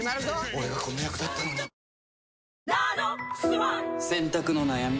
俺がこの役だったのに洗濯の悩み？